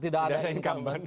tidak ada incumbent